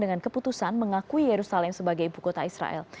dengan keputusan mengakui yerusalem sebagai ibu kota israel